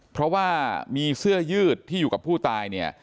เพราะว่ามีเสื้อยืดที่อยู่กับผู้ตายเนี่ย